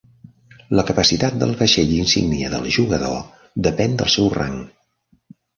La capacitat del vaixell insígnia del jugador depèn del seu rang.